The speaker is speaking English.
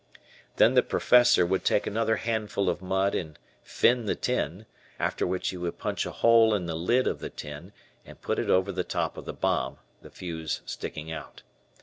Then the Professor would take another handful of mud and fin the tin, after which he would punch a hole in the lid of the tin and put it over the top of the bomb, the fuse sticking out.